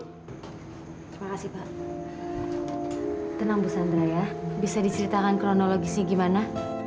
terima kasih pak tenang bu sandra ya bisa diceritakan kronologisnya gimana